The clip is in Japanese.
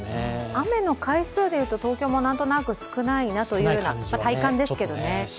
雨の回数でいうと東京もなんとなく少ないなというような体感ですけどね。